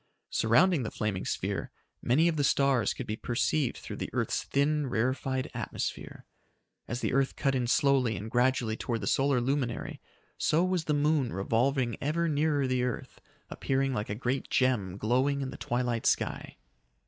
Surrounding the flaming sphere, many of the stars could be perceived through the earth's thin, rarefied atmosphere. As the earth cut in slowly and gradually toward the solar luminary, so was the moon revolving ever nearer the earth, appearing like a great gem glowing in the twilight sky.